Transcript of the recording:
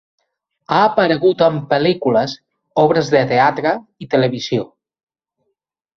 Ha aparegut en pel·lícules, obres de teatre i televisió.